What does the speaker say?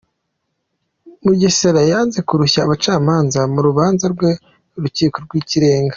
Mugesera yanze kurushya abacamanza mu rubanza rwe mu Rukiko rw’Ikirenga